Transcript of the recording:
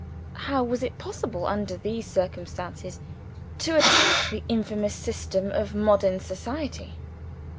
How was it possible, under these circumstances, to attack the infamous system of modern society?